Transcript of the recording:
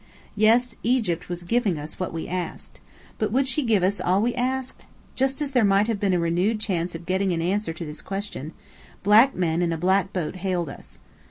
Yes, Egypt was giving us what we asked. But would she give us all we asked? Just as there might have been a renewed chance of getting an answer to this question, black men in a black boat hailed us.